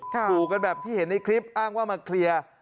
ขู่กันแบบที่เห็นในคลิปอ้างว่ามาเคลียร์